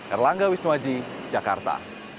erlangga wisnuaji jakarta